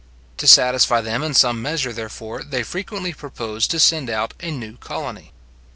To satisfy them in some measure, therefore, they frequently proposed to send out a new colony.